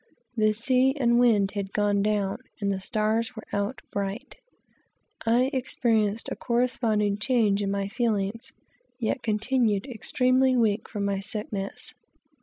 The sea and wind had gone down, and the stars were out bright. I experienced a corresponding change in my feelings; yet continued extremely weak from my sickness.